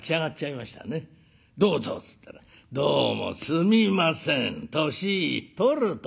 「どうぞ」っつったら「どうもすみません年取ると」